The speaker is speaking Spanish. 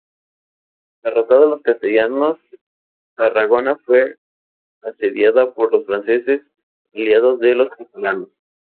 Derrotados los castellanos, Tarragona fue asediada por los franceses, aliados de los catalanes.